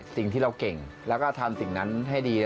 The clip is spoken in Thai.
สิ่งที่เราเก่งแล้วก็ทำสิ่งนั้นให้ดี